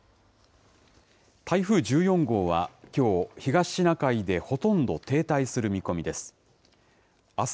台風１４号はきょう、東シナ海でほとんど停滞する見込みです。